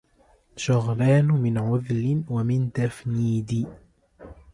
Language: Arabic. شغلان من عذل ومن تفنيد